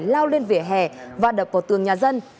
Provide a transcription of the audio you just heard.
lao lên vỉa hè và đập vào tường nhà dân